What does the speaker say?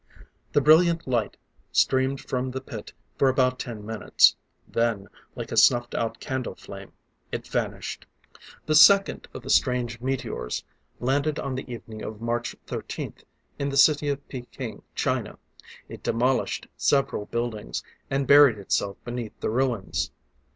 The brilliant light streamed from the pit for about ten minutes; then like a snuffed out candle flame, it vanished. The second of the strange meteors landed on the evening of March 13th, in the city of Peking, China. It demolished several buildings, and buried itself beneath the ruins.